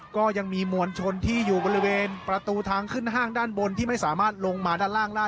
ก็ยังมีมวลชนที่อยู่บริเวณประตูทางขึ้นห้างด้านบนที่ไม่สามารถลงมาด้านล่างได้